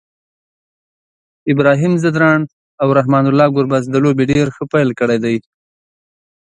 ابراهیم ځدراڼ او رحمان الله ګربز د لوبي ډير ښه پیل کړی دی